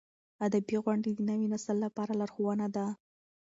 ادبي غونډې د نوي نسل لپاره لارښوونه ده.